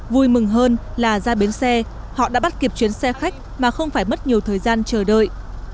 vui mừng hơn là ra bến xe họ đã bắt kịp chuyến xe khách mà không phải mất nhiều thời gian chờ đợi